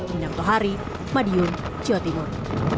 inam tohari madiun jawa timur